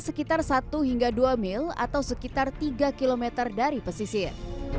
sekitar satu hingga dua mil atau sekitar tiga km dari pesisir